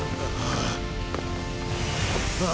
ああ！